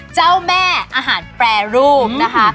เจ้าแม่อาหารแปรรูปนะคะ